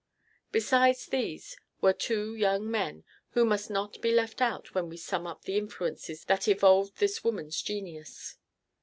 Besides these were two young men who must not be left out when we sum up the influences that evolved this woman's genius.